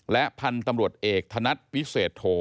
และพันธุ์ตำรวจเอกธนัดวิเศษโท